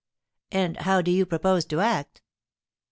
"And how do you propose to act?" "M.